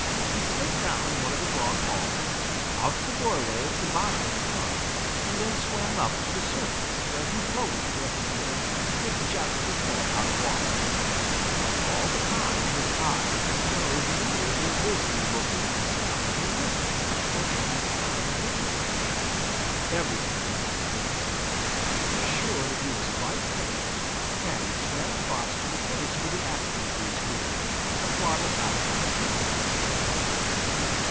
He slid down one of his long halls, out the doorway at the bottom of the pond, and then swam up to the surface, where he floated for a few minutes with just his head out of water. And all the time his eyes and nose and ears were busy looking, smelling, and listening for any sign of danger. Everything was still. Sure that he was quite safe, Paddy swam across to the place where the aspen trees grew, and waddled out on the shore.